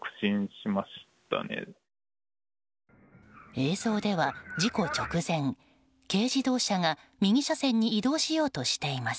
映像では事故直前、軽自動車が右車線に移動しようとしています。